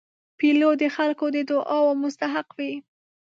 پیلوټ د خلکو د دعاو مستحق وي.